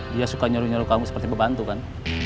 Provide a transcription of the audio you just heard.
dia suka nyuruh nyuruh kamu seperti pembantu kan